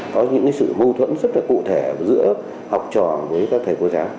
có những sự mâu thuẫn rất là cụ thể giữa học trò với các thầy cô giáo